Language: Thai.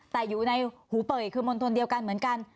แต่อยู่ในหูเป่ยคือมณฑลเดียวกันเหมือนกัน